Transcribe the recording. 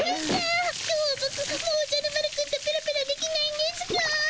今日はボクもうおじゃる丸くんとペロペロできないんですかぁ？